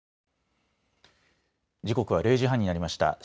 時刻は０時半になりました。